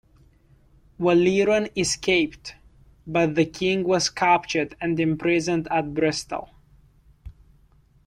Waleran escaped, but the king was captured and imprisoned at Bristol.